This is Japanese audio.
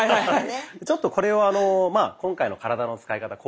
ちょっとこれを今回の体の使い方